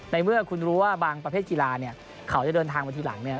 ในเมื่อคุณรู้ว่าบางประเภทกีฬาเนี่ยเขาจะเดินทางมาทีหลังเนี่ย